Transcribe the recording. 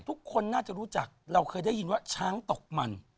ทุกคนน่าจะรู้จักเราเคยได้ยินว่าช้างตกมัน